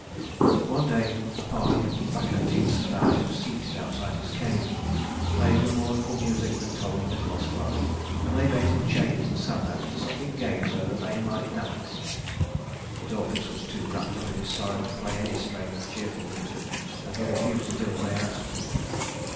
One day a party of Bacchantes found him seated outside the cave, playing the mournful music that told of his lost love, and they bade him change the sad notes to something gay so that they might dance. But Orpheus was too wrapped up in his sorrow to play any strain of cheerful music, and he refused to do as they asked.